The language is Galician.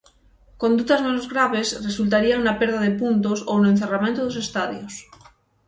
Condutas menos graves resultarían na perda de puntos ou no encerramento dos estadios.